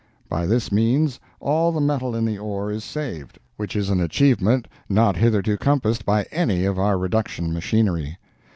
By this means, all the metal in the ore is saved, which is an achievement not hitherto compassed by any of our reduction machinery.